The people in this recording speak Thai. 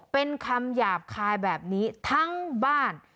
เป็นคำหยาบคายแบบนี้ทั้งบ้าน